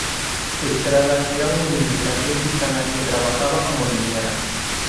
Estrada era una inmigrante mexicana que trabajaba como niñera.